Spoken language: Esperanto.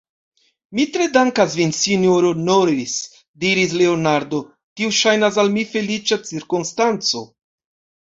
Mi tre dankas vin, sinjoro Norris, diris Leonardo; tio ŝajnas al mi feliĉa cirkonstanco.